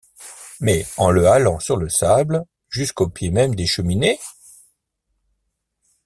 Mais en le halant sur le sable, jusqu’au pied même des Cheminées?...